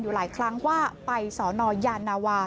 อยู่หลายครั้งว่าไปสอนอยาณาวา